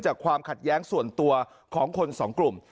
ความขัดแย้งส่วนตัวของคนสองกลุ่ม